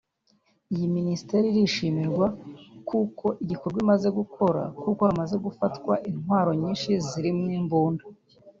Iyi Minisiteri irishimira igikorwa imaze gukora kuko hamaze gufatwa intwaro nyinshi zirimo imbunda